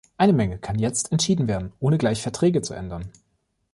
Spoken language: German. Eine Menge kann jetzt entschieden werden, ohne gleich Verträge zu ändern.